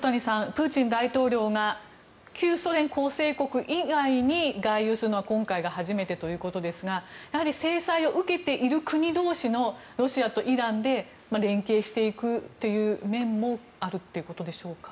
プーチン大統領が旧ソ連構成国以外に外遊するのは今回が初めてということですがやはり制裁を受けている国同士のロシアとイランで連携していくという面もあるということでしょうか。